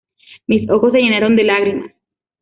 Mis ojos se llenaron de lágrimas.